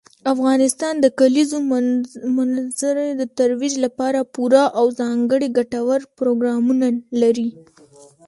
افغانستان د کلیزو منظره د ترویج لپاره پوره او ځانګړي ګټور پروګرامونه لري.